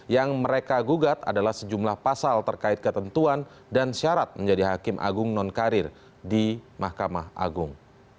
yang mereka gugat adalah sejumlah pasal terkait ketentuan dan syarat menjadi hakim agung nonkarir di mahkamah agung